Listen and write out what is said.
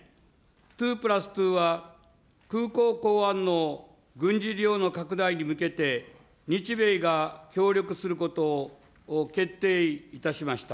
２プラス２は、空港、港湾の軍事利用の拡大に向けて、日米が協力することを決定いたしました。